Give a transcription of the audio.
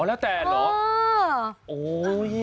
อ๋อแล้วแต่หรอ